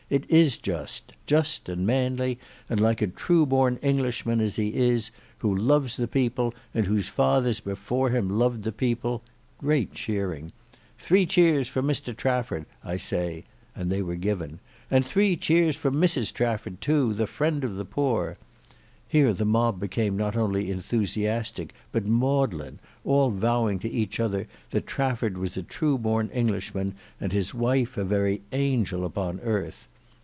"It is just; just and manly and like a true born Englishman as he is, who loves the people and whose fathers before him loved the people (great cheering). Three cheers for Mr Trafford I say;" and they were given; "and three cheers for Mrs Trafford too, the friend of the poor!" Here the mob became not only enthusiastic but maudlin; all vowing to each other that Trafford was a true born Englishman and his wife a very angel upon earth.